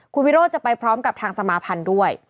คุณวิโรธจะไปพร้อมกับทางสมาพันธ์ด้วย